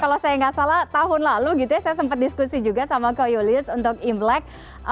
kalau saya gak salah tahun lalu gitu ya saya sempat diskusi juga sama kak yulius untuk inblack